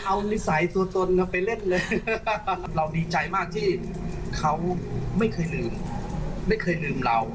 เอานิสัยตัวตนไปเล่นเลยเราดีใจมากที่เขาไม่เคยลืมไม่เคยลืมเรา